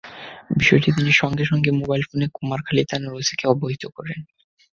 বিষয়টি তিনি সঙ্গে সঙ্গে মোবাইল ফোনে কুমারখালী থানার ওসিকে অবহিত করেন।